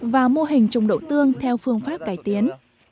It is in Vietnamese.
và mô hình trồng đậu tương theo phương pháp cải tiến